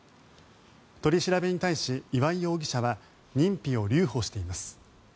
取り調べに対し、岩井容疑者は認否を留保しています。